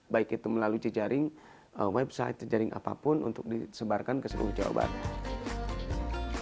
baik itu melalui jejaring website jejaring apapun untuk disebarkan ke seluruh jawa barat